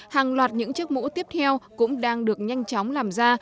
hàng loạt những chiếc mũ tiếp theo cũng đang được nhanh chóng làm ra